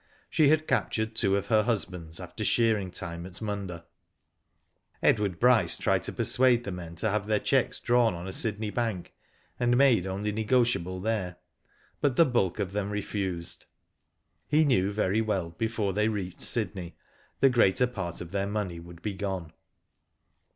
She had captured two of her husbands after shearing time at Munda. Edward Bryce tried to persuade the men to have their cheques drawn on a Sydney Bank, and made only negotiable there, but the bulk of them refused. He knew very well before they reached Sydney the greater part of their money would be gone.